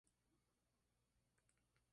El líder histórico es Arnaldo Matos.